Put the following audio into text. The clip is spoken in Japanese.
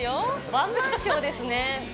ワンマンショーですね。